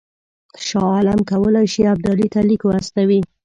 شاه عالم کولای شي ابدالي ته لیک واستوي.